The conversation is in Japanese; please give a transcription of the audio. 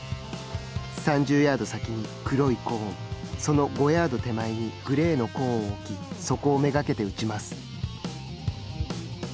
３０ヤード先に黒いコーンその５ヤード手前にグレーのコーンを置きそこを目がけて打ちます。